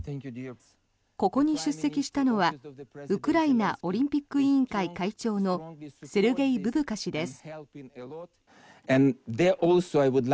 ここに出席したのはウクライナオリンピック委員会会長のセルゲイ・ブブカ氏です。